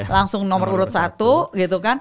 langsung nomor urut satu gitu kan